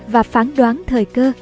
và phán đoán thời cơ